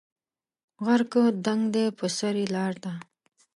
غر که دنګ دی په سر یې لار ده